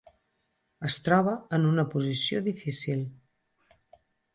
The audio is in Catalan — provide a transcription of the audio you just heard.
Es troba en una posició difícil.